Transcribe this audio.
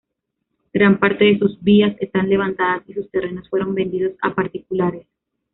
Gran parte de sus vías están levantadas y sus terrenos fueron vendidos a particulares.